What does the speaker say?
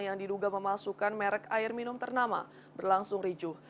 yang diduga memasukkan merek air minum ternama berlangsung ricuh